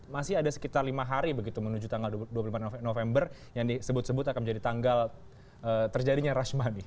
masih ada sekitar lima hari begitu menuju tanggal dua puluh lima november yang disebut sebut akan menjadi tanggal terjadinya rushmani